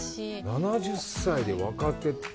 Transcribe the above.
７０歳で若手って。